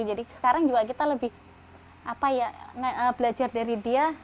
jadi sekarang juga kita lebih belajar dari dia